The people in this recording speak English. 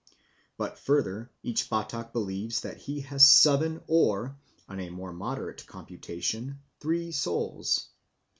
But, further, each Batak believes that he has seven or, on a more moderate computation, three souls.